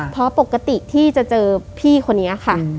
เพราะปกติที่จะเจอพี่คนนี้ค่ะ